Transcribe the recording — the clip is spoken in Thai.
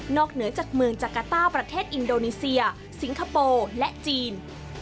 เหนือจากเมืองจักรต้าประเทศอินโดนีเซียสิงคโปร์และจีน